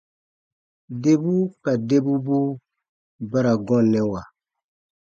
Debu ka debubuu ba ra gɔnnɛwa.